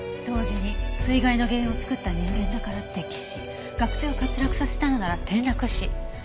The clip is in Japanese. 同時に水害の原因を作った人間だから溺死学生を滑落させたのなら転落死。